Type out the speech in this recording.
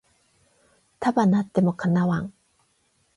束なっても叶わん